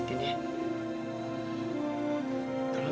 aku mau pergi ke tempat yang sama